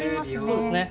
そうですね。